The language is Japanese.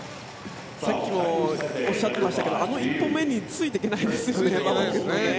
さっきもおっしゃってましたけどあの１本目についていけないですよね。